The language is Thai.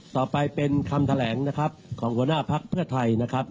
ต่อไปเป็นคำแถลงนะครับของหัวหน้าภักดิ์เพื่อไทยนะครับ